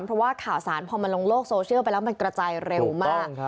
พอมันลงโลกโซเชียลไปแล้วมันกระจายเร็วมาก